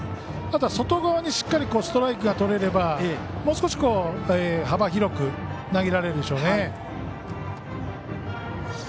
ただ、外側にしっかりストライクがとれればもう少し幅広く投げられるでしょうね。